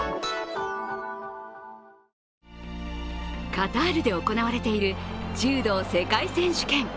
カタールで行われている柔道世界選手権。